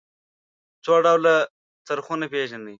څو ډوله څرخونه پيژنئ.